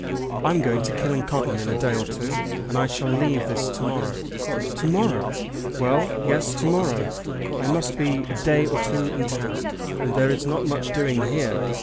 I'm going to Killancodlem in a day or two, and I shall leave this to morrow!" "To morrow!" "Well; yes; to morrow. I must be a day or two in town, and there is not much doing here.